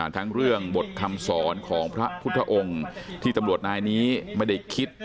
ทั้งเรื่องบทคำสอนของพระพุทธองค์ที่ตำรวจนายนี้ไม่ได้คิด